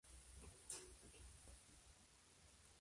Una niña de la escuela secundaria con un amor por la fotografía.